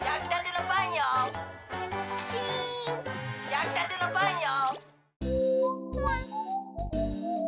やきたてのパンよ。